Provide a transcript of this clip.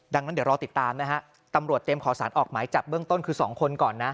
ดังนั้นเดี๋ยวรอติดตามนะฮะตำรวจเตรียมขอสารออกหมายจับเบื้องต้นคือ๒คนก่อนนะ